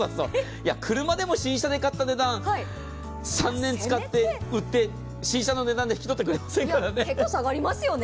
車でも新車で買った値段、３年使って売ったら、新車の値段で引き取ってくれませんからね。